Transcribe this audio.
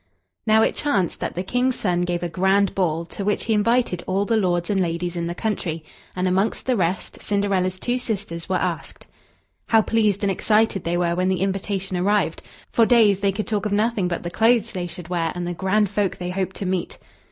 Now, it chanced that the King's son gave a grand ball, to which he invited all the lords and ladies in the country, and, amongst the rest, Cinderella's two sisters were asked. How pleased and excited they were when the invitation arrived! For days they could talk of nothing but the clothes they should wear and the grand folk they hoped to meet.